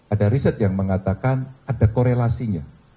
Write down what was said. ada riset yang mengatakan ada korelasinya